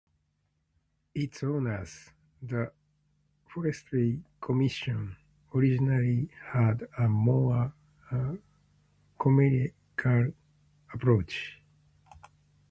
Its owners, the Forestry Commission, originally had a more commercial approach.